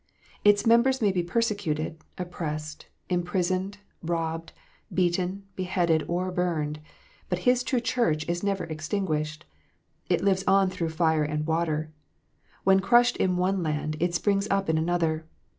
Its members may be persecuted, oppressed, imprisoned, robbed, beaten, beheaded, or burned ; but His true Church is never extinguished. It lives on through fire and water. When crushed in one land, it springs up in another.